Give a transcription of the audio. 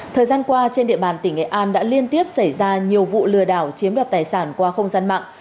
thời gian qua trên địa bàn tỉnh nghệ an đã liên tiếp xảy ra nhiều vụ lừa đảo chiếm đoạt tài sản qua không gian mạng